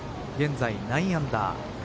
現在９アンダー。